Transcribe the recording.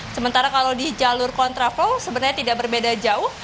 sementara kalau di jalur kontraflow sebenarnya tidak berbeda jauh